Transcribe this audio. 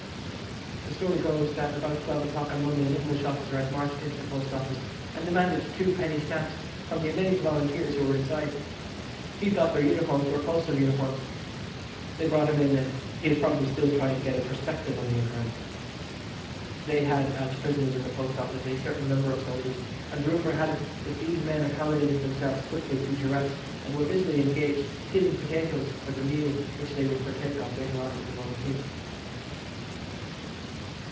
The story goes that about twelve o'clock on Monday an English officer had marched into the Post Office and demanded two penny stamps from the amazed Volunteers who were inside. He thought their uniforms were postal uniforms. They brought him in, and he is probably still trying to get a perspective on the occurrence. They had as prisoners in the Post Office a certain number of soldiers, and rumour had it that these men accommodated themselves quickly to duress, and were busily engaged peeling potatoes for the meal which they would partake of later on with the Volunteers.